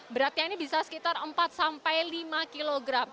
beratnya ini bisa sekitar empat sampai lima kg